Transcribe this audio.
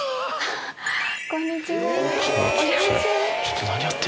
こんにちは。